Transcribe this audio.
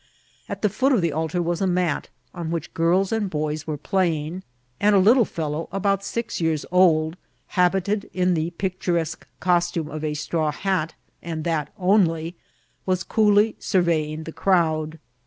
At the foot of the altar was a mat, on which girb and boys were playing ; and a little fel low about six years old, habited in the picturesque cos* tume of a straw hat, and that only, was coolly surveying the crowd.